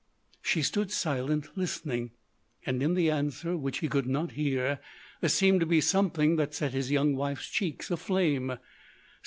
She stood silent, listening. And, in the answer which he could not hear, there seemed to be something that set his young wife's cheeks aflame.